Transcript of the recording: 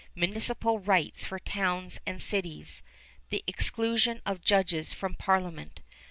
Municipal rights for towns and cities. The exclusion of judges from Parliament.